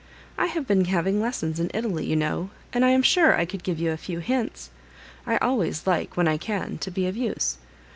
I have been having lessons in Italy, you know, and I am sure I could give you a few hints. I always like, when I can, to be of use.